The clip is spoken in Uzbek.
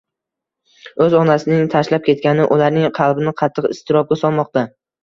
Oʻz onasining tashlab ketgani, ularning qalbini qattiq iztirobga solmoqda